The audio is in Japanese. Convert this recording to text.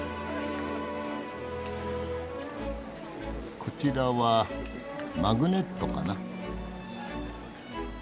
こちらはマグネットかな。